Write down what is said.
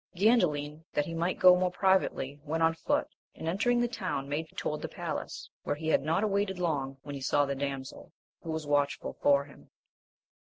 Gandalin, that he might go more privately, went on foot, and entering the town, made toward the palace, where he had not awaited long when he saw the damsel, who was watchful for him.